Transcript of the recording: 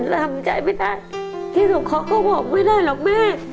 แล้วทำใจไม่ได้ที่สูงคล้อก็บอกไม่ได้หรอกแม่